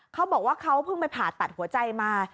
เขาบอกว่าเขาเพิ่งไปผ่าตัดหัวใจมา